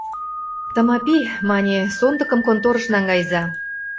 — Тымапи, — мане, — сондыкым конторыш наҥгайыза.